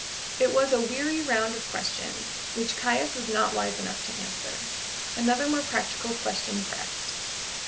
It was a weary round of questions, which Caius was not wise enough to answer. Another more practical question pressed.